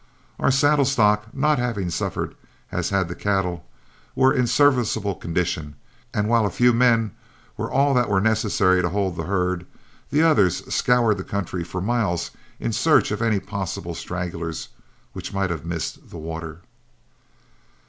Our saddle stock, not having suffered as had the cattle, were in a serviceable condition, and while a few men were all that were necessary to hold the herd, the others scoured the country for miles in search of any possible stragglers which might have missed the water.